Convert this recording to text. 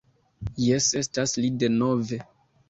Jes, estas li denove